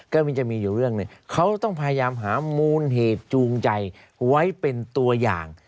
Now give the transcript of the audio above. ก็มันจะมีอยู่เรื่องหนึ่งเขาต้องพยายามหามูลเหตุจูงใจไว้เป็นตัวอย่าง